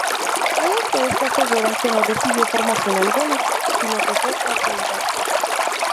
Hay autores que aseguran que no recibió formación alguna, sino que fue autodidacta.